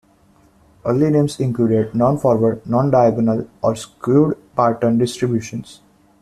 Early names included "non-forward", "non-diagonal" or "skewed" parton distributions.